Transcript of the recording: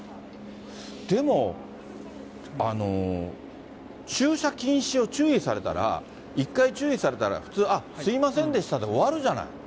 でも、駐車禁止を注意されたら、一回注意されたら、普通、あっ、すみませんでしたで終わるじゃない。